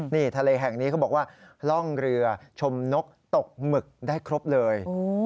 นี่ทะเลแห่งนี้เขาบอกว่าล่องเรือชมนกตกหมึกได้ครบเลย